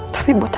tapi buat aku